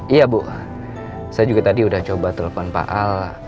iya bu saya juga tadi sudah coba telepon pak al